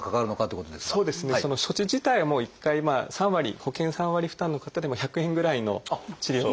その処置自体は１回まあ３割保険３割負担の方でも１００円ぐらいの治療費。